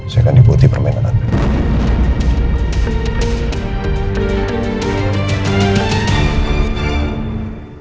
saya akan ikuti permainan anda